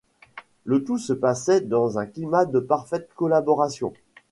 Le tout se passait dans un climat de parfaite collaboration.